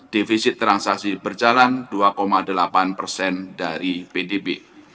divisi transaksi berjalan dua delapan dari pdb